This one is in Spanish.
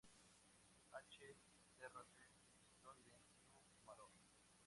H. Terrace, "Histoire du Maroc"